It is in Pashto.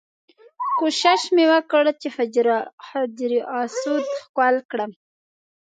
کوښښ مې وکړ حجر اسود ښکل کړم.